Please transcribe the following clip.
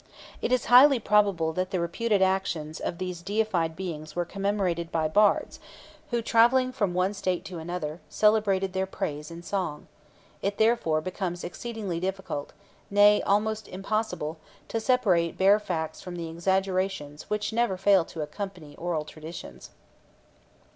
It is highly probable that the reputed actions of these deified beings were commemorated by bards, who, travelling from one state to another, celebrated their praise in song; it therefore becomes exceedingly difficult, nay almost impossible, to separate bare facts from the exaggerations which never fail to accompany oral traditions.